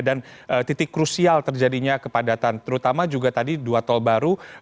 dan titik krusial terjadinya kepadatan terutama juga tadi dua tol baru